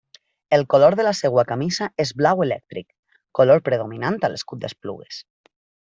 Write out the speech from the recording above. El color de la seva camisa és blau elèctric, color predominant a l'escut d'Esplugues.